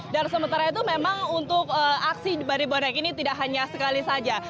dan sementara itu memang untuk aksi dari bonek ini tidak hanya sekali saja